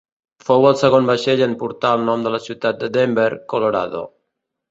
Fou el segon vaixell en portar el nom de la ciutat de Denver, Colorado.